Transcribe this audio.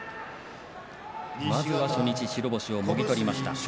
まずは初日白星をもぎ取りました。